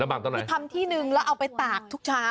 ลำบากตอนไหนคือทำที่หนึ่งแล้วเอาไปตากทุกเช้า